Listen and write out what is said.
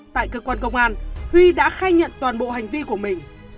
tại cơ quan công an huy đã khai nhận toàn bộ hành vi của mình